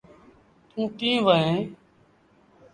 توݩ ڪيݩ وهيݩ۔